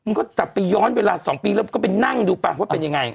มึงก็ตัดรนย้อนเวลาสองปีแล้วก็ไปนั่งดูปะว่าเป็นยังไง